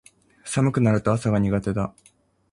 寒くなると朝が苦手だ